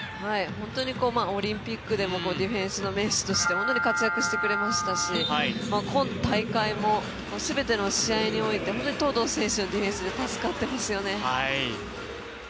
本当にオリンピックでもディフェンスの名手として本当に活躍してくれましたし、今大会も全ての試合において本当に東藤選手のディフェンスに助かってますよね。